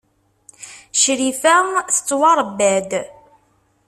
Crifa tettwaṛebba-d.